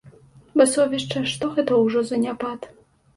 Басовішча, што гэта ўжо заняпад.